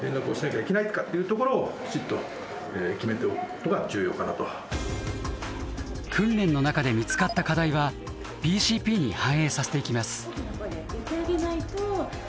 この日新たに浮かび上がった訓練の中で見つかった課題はＢＣＰに反映させていきます。